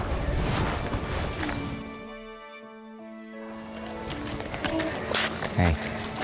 om perlu bantuan kamu nih